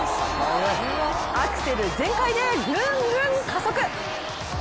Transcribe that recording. アクセル全開でぐんぐん加速。